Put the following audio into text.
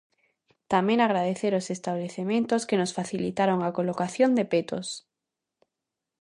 Tamén agradecer aos establecementos que nos facilitaron a colocación de petos.